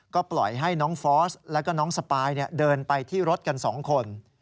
ก็ปล่อยให้น้องฟอสแล้วก็น้องสปายเดินไปที่รถกัน๒คน